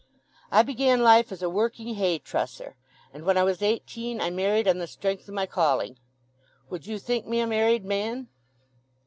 "I began life as a working hay trusser, and when I was eighteen I married on the strength o' my calling. Would you think me a married man?"